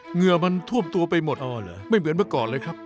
เหงื่อมันท่วมตัวไปหมดไม่เหนือก่อนเลยครับ